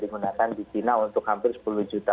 digunakan di china untuk hampir sepuluh juta